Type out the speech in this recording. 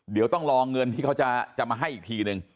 เดี๋ยวต้องรอเงินที่เขาจะมาให้อีกทีนึง